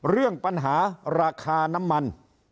เรื่องปัญหาราคาน้ำมัน